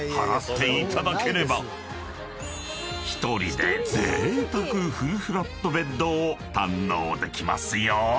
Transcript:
［１人でぜいたくフルフラットベッドを堪能できますよ］